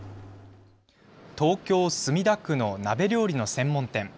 東京墨田区の鍋料理の専門店。